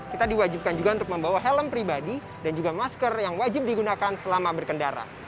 kita diwajibkan juga untuk membawa helm pribadi dan juga masker yang wajib digunakan selama berkendara